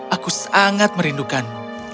aku sangat merindukanmu